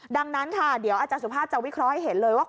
ดังนั้นค่ะเดี๋ยวอาจารย์สุภาพจะวิเคราะห์ให้เห็นเลยว่า